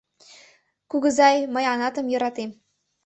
Кугызай, мый Анатым йӧратем.